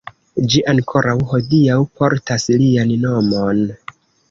Ĝi ankoraŭ hodiaŭ portas lian nomon.